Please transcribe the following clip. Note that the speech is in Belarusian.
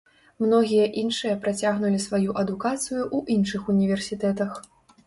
Многія іншыя працягнулі сваю адукацыю ў іншых універсітэтах.